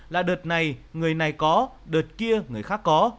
là đợt này người này có đợt kia người khác có